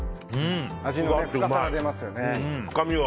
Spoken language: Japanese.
味の深さが出ますよね。